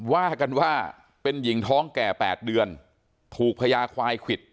ว่ากันว่าเป็นหญิงท้องแก่๘เดือนถูกพญาควายควิด